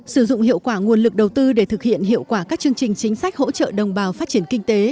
sử dụng hiệu quả nguồn lực đầu tư để thực hiện hiệu quả các chương trình chính sách hỗ trợ đồng bào phát triển kinh tế